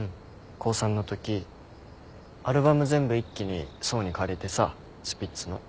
高３のときアルバム全部一気に想に借りてさスピッツの。